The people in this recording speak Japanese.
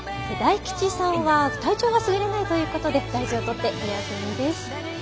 大吉さんは体調がすぐれないということで大事をとってお休みです。